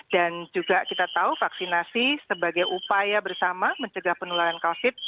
dan juga kita tahu vaksinasi sebagai upaya bersama mencegah penularan covid sembilan belas